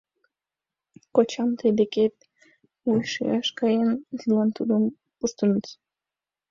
Кочам тый декет вуйшияш каен, тидлан тудым пуштыныт!